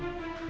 gue gak tau